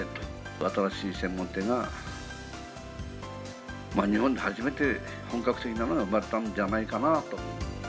新しい専門店が日本で初めて、本格的なのが生まれたんじゃないかなあと。